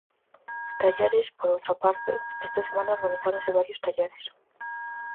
Talleres por outra parte, esta semana organizáronse varios talleres.